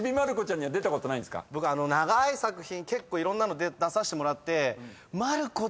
僕長い作品結構いろんなの出させてもらって。